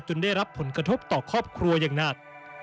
ได้รับผลกระทบต่อครอบครัวอย่างหนัก